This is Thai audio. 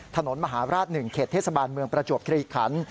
ถนนมหาราช๑เขตเทศบาลเมืองประจวบคลีขัน